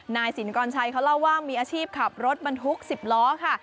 นายสินกรชัยเขาเล่าว่ามีอาชีพขับรถบรรทุก๑๐ล้อค่ะ